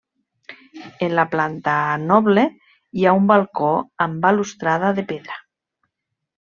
En la planta noble hi ha un balcó amb balustrada de pedra.